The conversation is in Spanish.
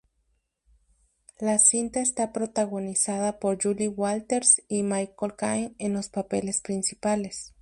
La cinta está protagonizada por Julie Walters y Michael Caine en los papeles principales.